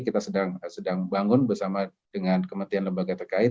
kita sedang bangun bersama dengan kementerian lembaga terkait